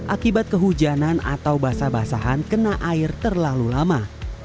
akibat kehujanan atau basah basahan kena air terlalu lama